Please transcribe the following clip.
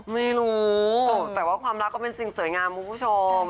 ไม่รู้แต่ว่าความรักก็เป็นสิ่งสวยงามคุณผู้ชม